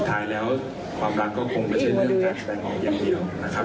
สุดท้ายแล้วความรักก็คงไม่เชื่อเรื่องการแต่งของอย่างเดียวนะครับ